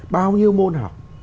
bao nhiêu môn học